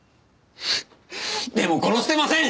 でも殺してません！